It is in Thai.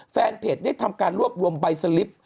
แฟนเพจได้ทำการรวบรวมใบสลิป